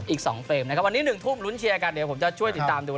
อีก๒เฟรมนะครับวันนี้๑ทุ่มลุ้นเชียร์กันเดี๋ยวผมจะช่วยติดตามดู